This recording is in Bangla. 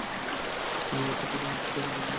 সেই মূহুর্ত থেকে, আমার স্মৃতি অভিশাপে পরিণত হয়েছে।